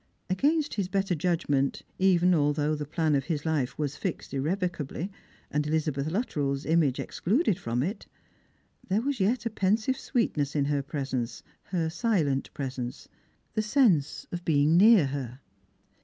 Against his better judgment, even although the plan of his life was fixed irrevocably, and Elizabeth Luttrell's image excluded from it, there was yet a pensive sweetness in her presence — her silent presence — the sense of being near her.